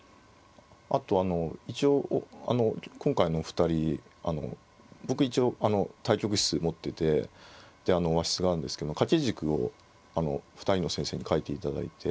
あとあの一応あの今回のお二人僕一応対局室持ってて和室があるんですけど掛け軸を２人の先生に書いていただいて。